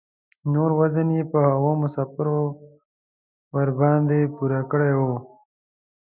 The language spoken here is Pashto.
نور وزن یې په هغو مسافرو ورباندې پوره کړی و.